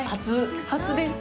初です。